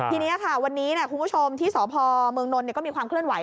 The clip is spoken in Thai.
ทีนี้ค่ะวันนี้คุณผู้ชมที่สพเมืองนนทก็มีความเคลื่อนไห